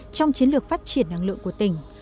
trong chiến lược phát triển năng lượng của tỉnh